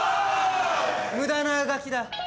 無駄なあがきだ。